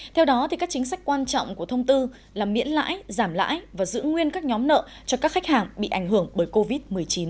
theo đó các chính sách quan trọng của thông tư là miễn lãi giảm lãi và giữ nguyên các nhóm nợ cho các khách hàng bị ảnh hưởng bởi covid một mươi chín